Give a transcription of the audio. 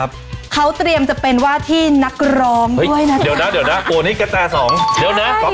เขาเตรียมจะเป็นว่าที่นักร้องด้วยนะค่ะเดี๋ยวนี่กระแจสอง